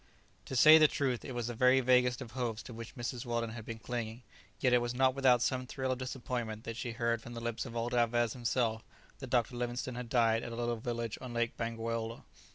To say the truth, it was the very vaguest of hopes to which Mrs. Weldon had been clinging, yet it was not without some thrill of disappointment that she heard from the lips of old Alvez himself that Dr. Livingstone had died at a little village on Lake Bangweolo.